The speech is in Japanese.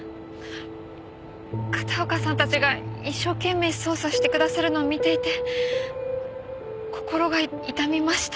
片岡さんたちが一生懸命捜査してくださるのを見ていて心が痛みました。